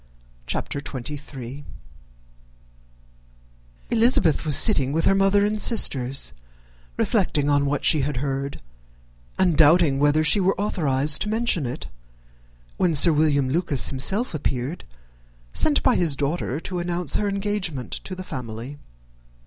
_]] CHAPTER XXIII. Elizabeth was sitting with her mother and sisters, reflecting on what she had heard, and doubting whether she was authorized to mention it, when Sir William Lucas himself appeared, sent by his daughter to announce her engagement to the family.